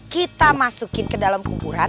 kita masukin ke dalam kuburan